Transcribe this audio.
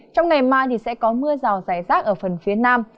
trong ngày mai sẽ có mưa rào rải rác ở phần phía nam